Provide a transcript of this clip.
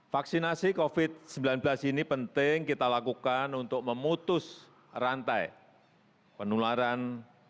vaksinasi covid sembilan belas ini penting kita lakukan untuk memutus rantai penularan